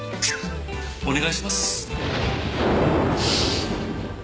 お願いします。